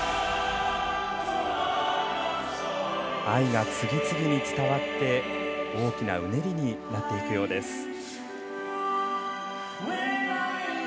愛が次々に伝わって大きなうねりになっていくようです。